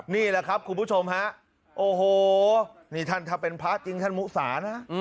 นี่แหละครับคุณผู้ชมฮะโอ้โหนี่ท่านถ้าเป็นพระจริงท่านมุสานะ